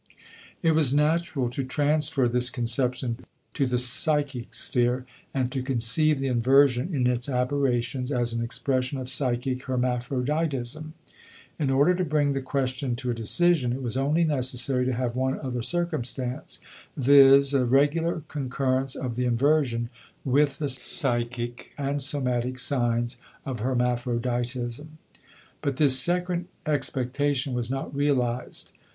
It was natural to transfer this conception to the psychic sphere and to conceive the inversion in its aberrations as an expression of psychic hermaphroditism. In order to bring the question to a decision, it was only necessary to have one other circumstance, viz., a regular concurrence of the inversion with the psychic and somatic signs of hermaphroditism. But this second expectation was not realized.